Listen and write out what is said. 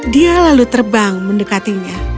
dia lalu terbang mendekatinya